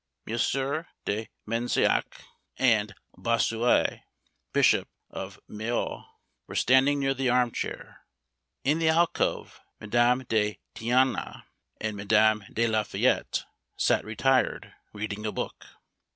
M. de Marsillac, and Bossuet bishop of Meaux, were standing near the arm chair. In the alcove, Madame de Thianges and Madame de la Fayette sat retired, reading a book.